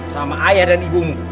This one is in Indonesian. sama ayah dan ibumu